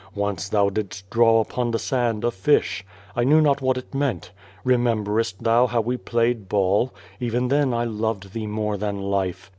Once thou didst draw upon the simd a lisli. I knew not what it meant. Rememberest thou how we pla3^ed ball? Even then I loved thee more than life.